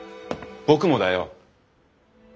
僕もだよ！